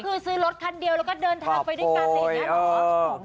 ก็คือซื้อรถคันเดียวแล้วก็เดินทางไปด้วยกัน